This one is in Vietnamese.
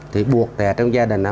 thì buộc là trong gia đình á